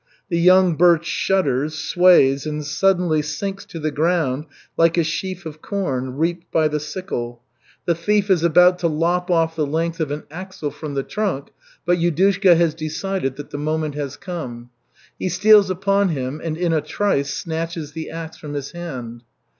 The young birch shudders, sways and suddenly sinks to the ground like a sheaf of corn, reaped by the sickle. The thief is about to lop off the length of an axle from the trunk, but Yudushka has decided that the moment has come. He steals upon him and in a trice snatches the axe from his hand.